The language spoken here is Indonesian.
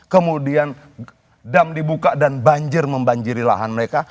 kemudian dam dibuka dan banjir membanjiri lahan mereka